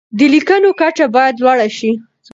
د لیکنو کچه باید لوړه شي.